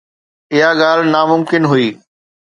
اها ڳالهه ناممڪن هئي.